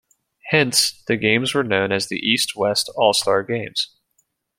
Hence, the games were known as the "East-West All-Star Games".